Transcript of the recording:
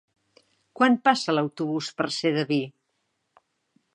Quan passa l'autobús per Sedaví?